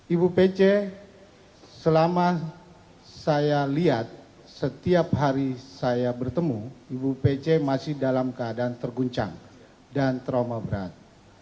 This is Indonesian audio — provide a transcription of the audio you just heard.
ibu pece selama saya lihat setiap hari saya bertemu ibu pece masih dalam keadaan terguncang dan trauma berat